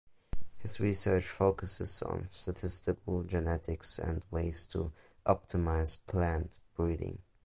His research focuses on statistical genetics and ways to optimize plant breeding.